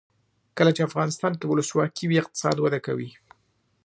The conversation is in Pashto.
کله چې افغانستان کې ولسواکي وي اقتصاد وده کوي.